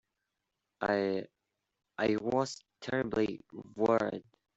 I—I was terribly worried.